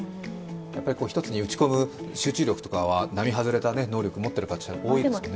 一つに打ち込む集中力とかは並外れた能力を持っている方たちが多いですからね。